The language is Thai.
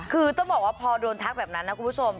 คือต้องบอกว่าพอโดนทักแบบนั้นนะคุณผู้ชม